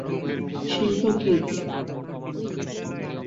শিল্প কি?